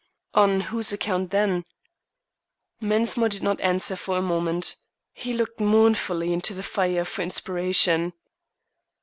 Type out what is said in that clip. "On whose account, then?" Mensmore did not answer for a moment. He looked mournfully into the fire for inspiration.